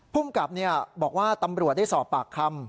คุ้มกับนี่บอกว่าตำรวจได้สอบปากคำ